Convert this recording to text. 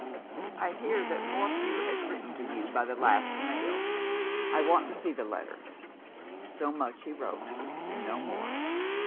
"I hear that Morphew has written to you by the last mail. I want to see the letter." So much he wrote, and no more.